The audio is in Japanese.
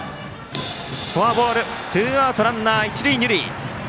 フォアボールツーアウトランナー、一塁二塁。